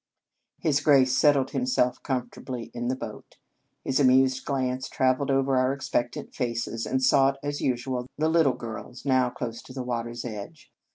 His Grace settled himself comfort ably in the boat. His amused glance travelled over our expectant faces, and sought as usual the little girls, now close to the water s edge.